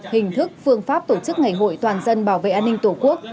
hình thức phương pháp tổ chức ngày hội toàn dân bảo vệ an ninh tổ quốc